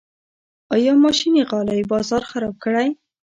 آیا ماشیني غالۍ بازار خراب کړی؟